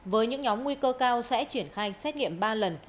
với những nhóm nguy cơ cao sẽ triển khai xét nghiệm ba lần